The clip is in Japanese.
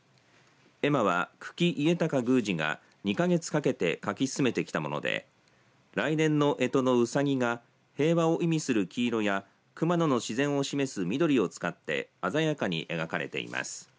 絵馬は九鬼家隆宮司が２か月かけて描き進めてきたもので来年のえとのうさぎが平和を意味する黄色や熊野の自然を示す緑を使って鮮やかに描かれています。